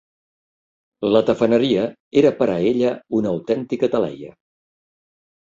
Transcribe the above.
La tafaneria era per a ella una autèntica taleia.